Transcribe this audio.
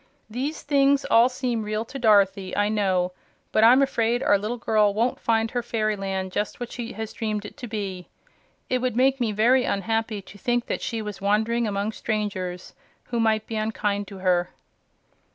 "These things all seem real to Dorothy, I know; but I'm afraid our little girl won't find her fairyland just what she had dreamed it to be. It would make me very unhappy to think that she was wandering among strangers who might be unkind to her."